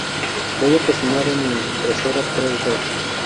Voy a cocinar en mi impresora tres de